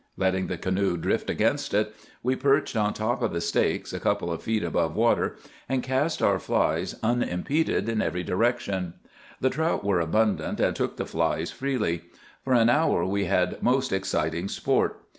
Letting the canoe drift against it, we perched on top of the stakes, a couple of feet above water, and cast our flies unimpeded in every direction. The trout were abundant, and took the flies freely. For an hour we had most exciting sport.